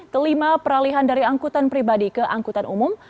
kelima peralihan dari angkutan pribadi ke angkutan umum